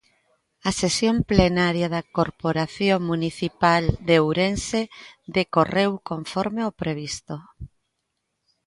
A sesión plenaria da corporación municipal de Ourense decorreu conforme ao previsto.